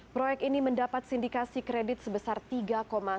proyek ini mendapat sindikasi kredit sebesar tiga delapan triliun rupiah